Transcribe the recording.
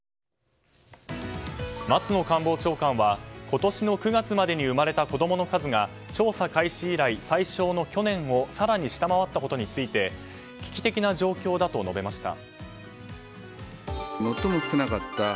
松野官房長官は今年の９月までに生まれた子供の数が調査開始以来最少の去年を更に下回ったことについて危機的な状況だと述べました。